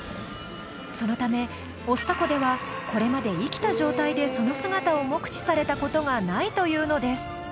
そのためオッサ湖ではこれまで生きた状態でその姿を目視された事がないというのです。